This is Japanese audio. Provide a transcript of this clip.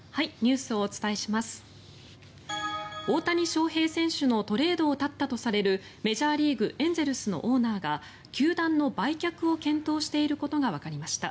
大谷翔平選手のトレードを断ったとされるメジャーリーグ、エンゼルスのオーナーが球団の売却を検討していることがわかりました。